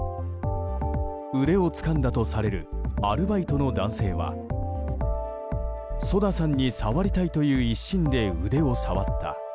腕をつかんだとされるアルバイトの男性はＳＯＤＡさんに触りたいという一心で腕を触った。